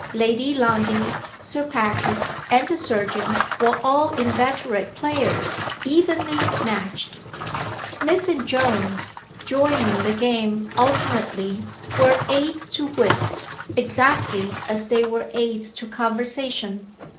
Lady Lundie, Sir Patrick, and the surgeon, were all inveterate players, evenly matched. Smith and Jones (joining the game alternately) were aids to whist, exactly as they were aids to conversation.